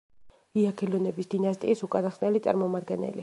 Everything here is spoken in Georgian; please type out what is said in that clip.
იაგელონების დინასტიის უკანასკნელი წარმომადგენელი.